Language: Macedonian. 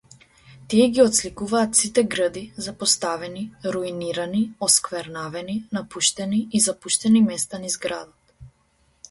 Тие ги отсликуваат сите грди, запоставени, руинирани, осквернавени, напуштени и запуштени места низ градот.